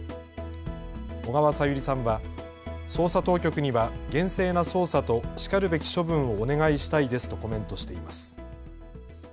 小川さゆりさんは捜査当局には厳正な捜査としかるべき処分をお願いしたいですとコメントしています。